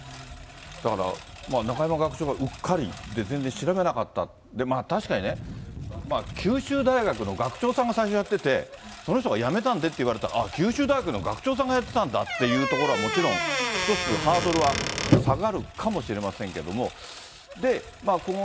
だから、中山学長がうっかりで全然調べなかったと、確かにね、九州大学の学長さんが最初やってて、その人が辞めたんでって言われたら、あっ、九州大学の学長さんがやってたんだっていうところはもちろん、１つハードルは下がるかもしれませんけれども。